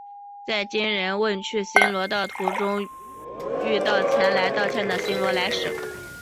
在金仁问去新罗的途中遇到前来道歉的新罗来使。